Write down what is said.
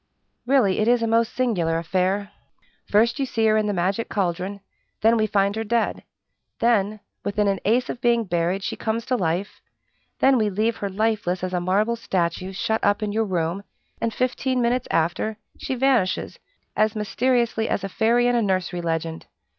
"Really, it is a most singular affair! First you see her in the magic caldron; then we find her dead; then, when within an ace of being buried, she comes to life; then we leave her lifeless as a marble statue, shut up in your room, and fifteen minutes after, she vanishes as mysteriously as a fairy in a nursery legend.